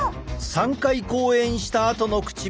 ３回講演したあとの唇。